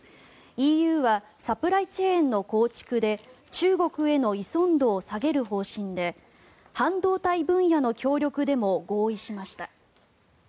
ＥＵはサプライチェーンの構築で中国への依存度を下げる方針で半導体分野の協力でも合意しました。